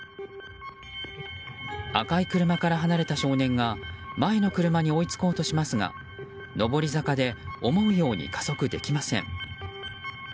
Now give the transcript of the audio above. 赤い車から離れた少年が前の車に追いつこうとしますが上り坂で思うように加速できません。